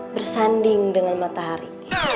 bersanding dengan matahari